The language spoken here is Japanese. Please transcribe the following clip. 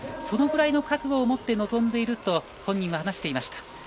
そのぐらいの覚悟を持って臨んでいると本人は話していました。